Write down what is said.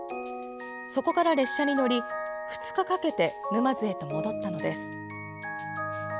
そこから列車に乗り２日かけて沼津へと戻ったのです。